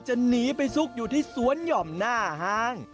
หนีไปซุกอยู่ที่สวนหย่อมหน้าห้าง